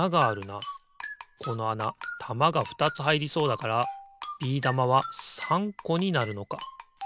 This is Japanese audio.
このあなたまがふたつはいりそうだからビー玉は３こになるのか。